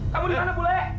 kamu di mana bule